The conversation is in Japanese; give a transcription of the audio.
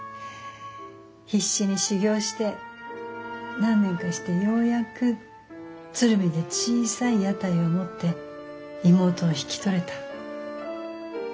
必死に修業して何年かしてようやく鶴見で小さい屋台を持って妹を引き取れた。